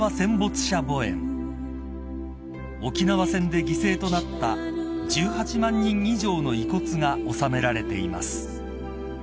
［沖縄戦で犠牲となった１８万人以上の遺骨が納められています］